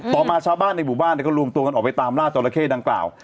ต่อมาชาวบ้านในหมู่บ้านก็รวมตัวกันออกไปตามล่าจราเข้ดังกล่าว